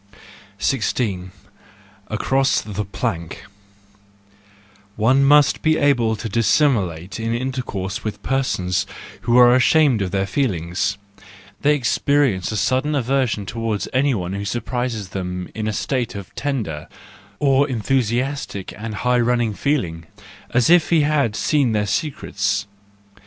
16. Across the Plank .—One must be able to dis¬ simulate in intercourse with persons who are ashamed of their feelings; they experience a sudden aversion towards anyone who surprises them in a state of tender, or enthusiastic and high running feeling, as if he had seen their secrets.